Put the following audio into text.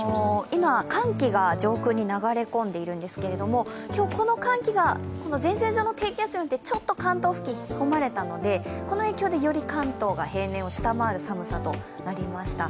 今、寒気が上空に流れ込んでいるんですけれども今日、この寒気が前線上の低気圧によってちょっと関東付近、引き込まれたのでこの影響でより関東が平年を下回る寒さとなりました。